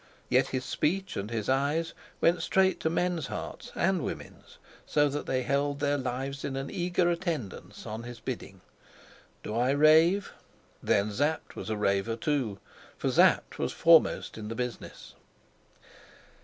Yet his speech and his eyes went straight to men's hearts and women's, so that they held their lives in an eager attendance on his bidding. Do I rave? Then Sapt was a raver too, for Sapt was foremost in the business.